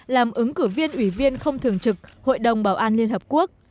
làm ứng cử viên ủy viên không thường trực hội đồng bảo an liên hợp quốc